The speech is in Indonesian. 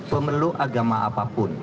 pemeluk agama apapun